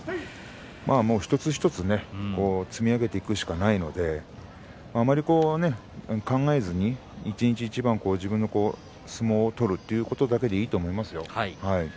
まあ一つ一つ積み上げていくしかないのであまり考えずに一日一番自分の相撲を取るということだけでいいと思いますよ。